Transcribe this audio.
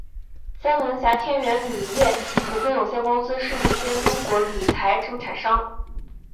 三门峡天元铝业股份有限公司是一间中国铝材生产商。